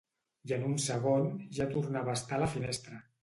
I en un segon ja tornava a estar a la finestra.